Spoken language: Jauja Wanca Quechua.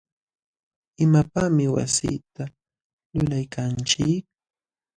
¿imapaqmi wasita lulaykanchik?